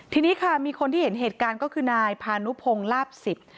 ทีนี้ค่ะมีคนที่เห็นเหตุการณ์ก็คือนายพานุพงศ์ลาบสิบ